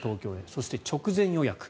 そして、直前予約。